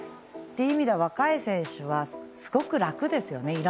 という意味では若い選手はすごく楽ですよね。